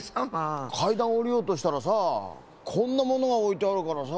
かいだんおりようとしたらさこんなものがおいてあるからさ。